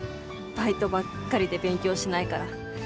バイトばっかりで勉強しないから。